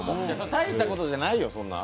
大したことないよ。